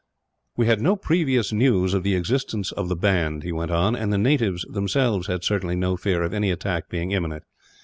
"We had no previous news of the existence of the band," he went on, "and the natives, themselves, had certainly no fear of any attack being imminent.